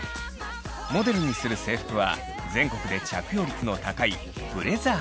モデルにする制服は全国で着用率の高いブレザーです。